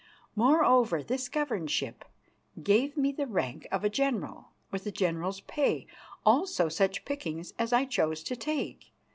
Moreover, this governorship gave me the rank of a general, with a general's pay, also such pickings as I chose to take.